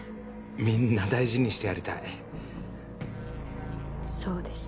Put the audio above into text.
みんな大事にしてやりたいそうですね